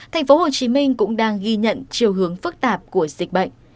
tp hcm cũng đang ghi nhận chiều hướng phức tạp của dịch bệnh